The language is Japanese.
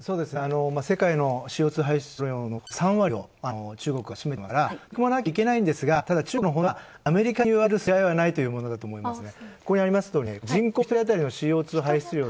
世界のＣＯ２排出量の３割を中国は占めていますから取り組まなきゃいけないんですが、ただ、中国の本音はアメリカに言われる筋合いはないというものだと思いますね。